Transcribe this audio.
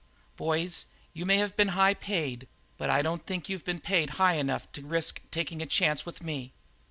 Boys, you may have been paid high, but I don't think you've been paid high enough to risk taking a chance with me.